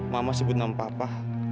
mama sebut nama papa